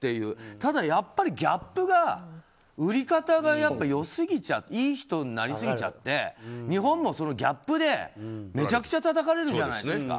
ただ、やっぱりギャップが売り方が良すぎちゃっていい人になりすぎちゃって日本もギャップでめちゃくちゃたたかれるじゃないですか。